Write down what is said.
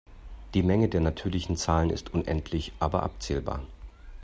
Die Menge der natürlichen Zahlen ist unendlich aber abzählbar.